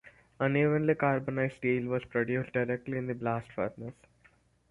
Unevenly carbonized steel was produced directly in the blast furnace.